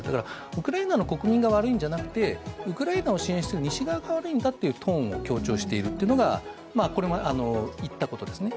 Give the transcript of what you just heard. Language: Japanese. ウクライナの国民が悪いんじゃなくてウクライナを支援している西側が悪いんだというトーンを強調しているところが言ったことですよね